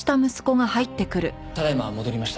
ただいま戻りました。